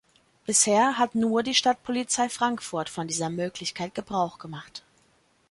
Bisher hat nur die Stadtpolizei Frankfurt von dieser Möglichkeit Gebrauch gemacht.